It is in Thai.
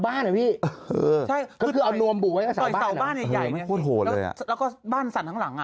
ไม่มีอะไรเลยหรอ